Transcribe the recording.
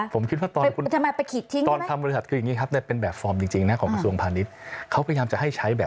ผมคิดว่าตอนทำบริษัทคืออย่างนี้ครับ